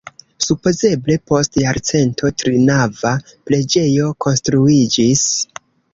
Supozeble post jarcento trinava preĝejo konstruiĝis.